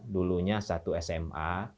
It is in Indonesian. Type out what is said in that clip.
dulunya satu sma